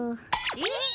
えっ。